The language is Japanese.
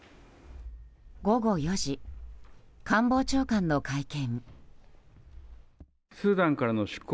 午後４時、官房長官の会見。